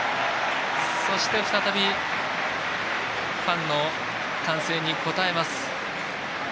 そして、再びファンの歓声に応えます。